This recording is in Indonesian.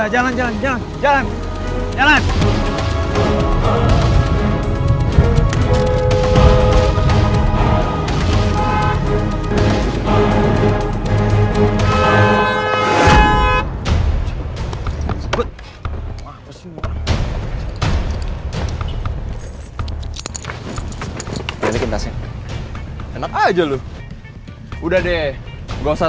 jalan jalan jalan jalan